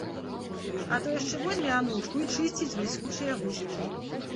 А то яшчэ возьме анучку і чысціць бліскучыя гузікі.